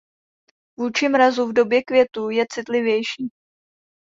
Vůči mrazu v době květu je citlivější.